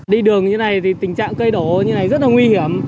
đi đường như thế này thì tình trạng cây đổ như này rất là nguy hiểm